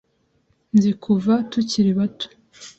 Nzi kuva tukiri bato.